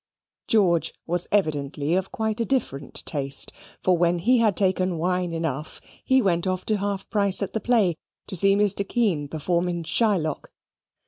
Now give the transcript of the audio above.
George was evidently of quite a different taste; for when he had taken wine enough, he went off to half price at the play, to see Mr. Kean perform in Shylock.